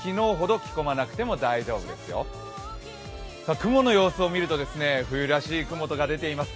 雲の様子を見てみると冬らしい雲が出ています。